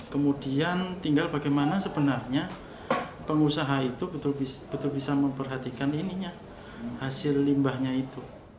kemudian tinggal bagaimana sebenarnya pengusaha itu betul bisa memperhatikan hasil limbahnya itu